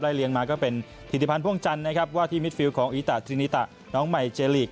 เลี้ยมาก็เป็นถิติพันธ์พ่วงจันทร์นะครับว่าที่มิดฟิลของอีตะจินิตะน้องใหม่เจลีก